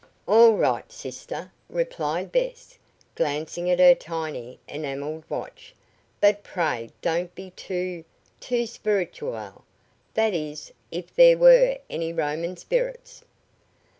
"All right, sister," replied Bess, glancing at her tiny, enameled watch; "but pray don't be too too spirituelle. That is, if there were any Roman spirits."